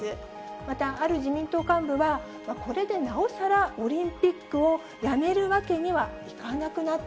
また、ある自民党幹部は、これでなおさら、オリンピックをやめるわけにはいかなくなった。